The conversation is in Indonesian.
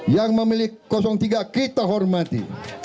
yang memilih tiga kita hormati